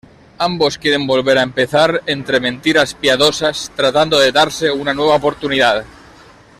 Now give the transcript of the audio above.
Ambos quieren volver a empezar, entre mentiras piadosas, tratando de darse una nueva oportunidad.